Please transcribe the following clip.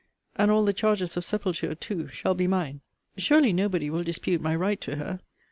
And all the charges of sepulture too shall be mine. Surely nobody will dispute my right to her.